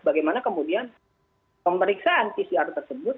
bagaimana kemudian pemeriksaan pcr tersebut